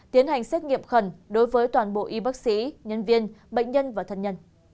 tiến hành xét nghiệm khẩn đối với toàn bộ y bác sĩ nhân viên bệnh nhân và thân nhân